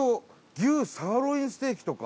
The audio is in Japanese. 牛サーロインステーキとか。